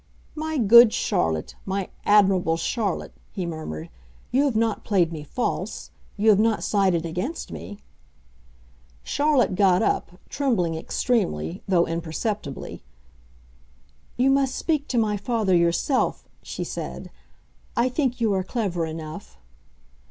"My good Charlotte, my admirable Charlotte," he murmured, "you have not played me false—you have not sided against me?" Charlotte got up, trembling extremely, though imperceptibly. "You must speak to my father yourself," she said. "I think you are clever enough."